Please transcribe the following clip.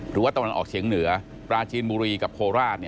ตะวันออกเฉียงเหนือปลาจีนบุรีกับโคราช